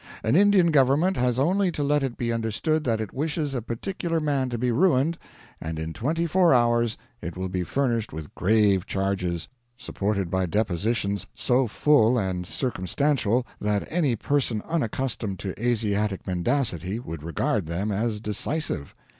An Indian government has only to let it be understood that it wishes a particular man to be ruined, and in twenty four hours it will be furnished with grave charges, supported by depositions so full and circumstantial that any person unaccustomed to Asiatic mendacity would regard them as decisive.